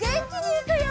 いくよ。